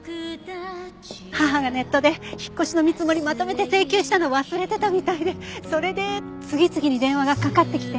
母がネットで引っ越しの見積もりまとめて請求したの忘れてたみたいでそれで次々に電話がかかってきて。